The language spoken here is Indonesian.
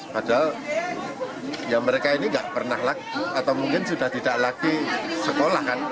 padahal ya mereka ini nggak pernah lagu atau mungkin sudah tidak lagi sekolah kan